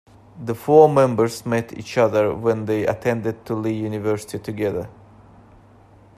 The four members met each other when they attended Lee University together.